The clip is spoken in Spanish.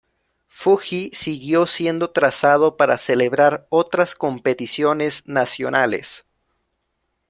Fuji siguió siendo trazado para celebrar otras competiciones nacionales.